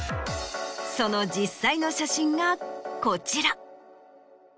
その実際の写真がこちら。